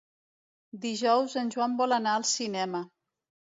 Dijous en Joan vol anar al cinema.